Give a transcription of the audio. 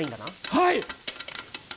はい！